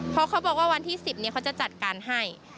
เพราะเขาบอกว่าวันที่๑๐เขาจะจัดการให้